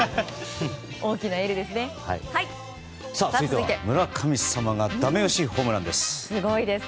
続いては、村神様がダメ押しホームランです。